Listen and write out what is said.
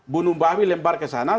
bunuh bahwi lembar ke sana